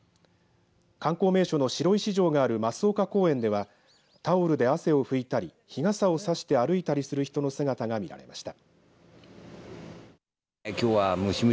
観光名所の白石城がある益岡公園ではタオルで汗をふいたり日傘を差して歩いたりする人の姿が見られました。